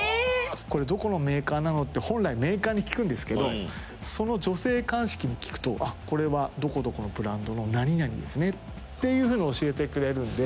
「これどこのメーカーなの？」って本来メーカーに聞くんですけどその女性鑑識に聞くと「これはどこどこのブランドの何々ですね」っていうふうに教えてくれるんで。